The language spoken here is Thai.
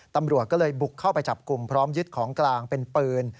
ตำรวจก็เลยบุกเข้าไปจับกลุ่มพร้อมยึดของกลางเป็นปืน